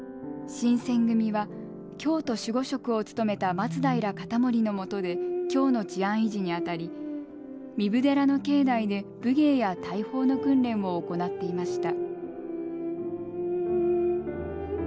新選組は京都守護職を務めた松平容保のもとで京の治安維持にあたり壬生寺の境内で武芸や大砲の訓練を行っていました。